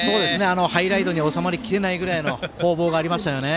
ハイライトに収まりきれないぐらいの攻防がありましたよね。